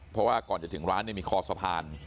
เพราะว่าก่อนจะถึงร้านมีคอสะพาน